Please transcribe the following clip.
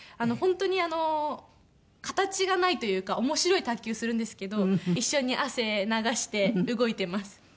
本当に形がないというか面白い卓球するんですけど一緒に汗流して動いてます。